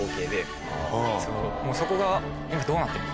もうそこが「今どうなってる？